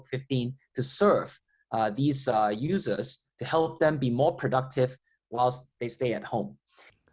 untuk membantu pengguna ini menjadi lebih produktif sementara mereka tinggal di rumah